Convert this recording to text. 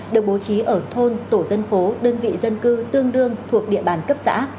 được bố trí ở thôn tổ dân phố đơn vị dân cư tương đương thuộc địa bàn cấp xã